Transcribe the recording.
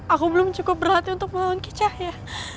aku belum cukup berhati untuk melawan ki cahaya